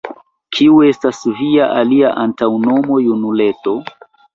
kiu estas via alia antaŭnomo, junuleto?